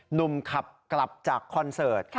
หนุ่มขับกลับจากคอนเสิร์ต